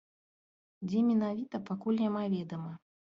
Дзе менавіта, пакуль няма ведама.